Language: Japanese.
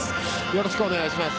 よろしくお願いします。